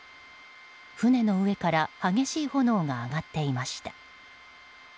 船の上から激しい炎が上がっていました。